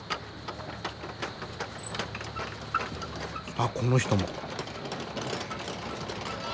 あっこの人も。